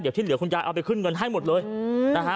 เดี๋ยวที่เหลือคุณยายเอาไปขึ้นเงินให้หมดเลยนะฮะ